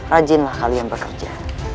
rajinlah kalian bekerja